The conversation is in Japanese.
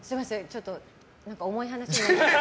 ちょっと重い話になって。